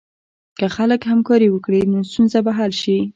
که خلک همکاري وکړي، نو ستونزه به حل شي.